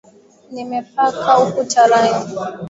Nimepaka ukuta rangi.